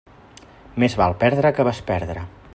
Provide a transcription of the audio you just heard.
Més val perdre que besperdre.